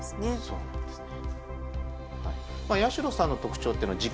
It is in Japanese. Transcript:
そうなんですね。